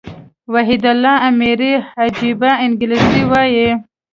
وحيدالله اميري عجبه انګلېسي وايي.